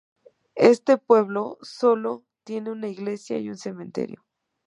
Este pueblo solo tiene una iglesia y un cementerio.